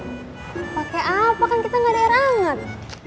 pakai apa kan kita gak ada air anget